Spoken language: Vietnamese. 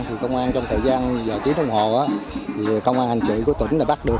thì công an trong thời gian vài tiếng đồng hồ thì công an hành trị của tỉnh đã bắt được